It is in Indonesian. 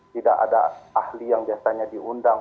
tidak ada ahli yang biasanya diundang